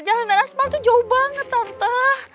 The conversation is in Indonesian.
jalanan aspal tuh jauh banget tante